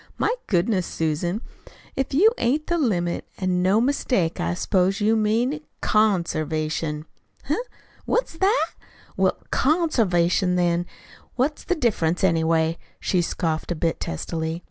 "My goodness, Susan Betts, if you ain't the limit, an' no mistake! I s'pose you mean CONservation." "Heh? What's that? Well, CONservation, then. What's the difference, anyway?" she scoffed a bit testily.